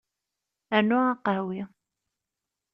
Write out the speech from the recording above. Rnu aqehwi.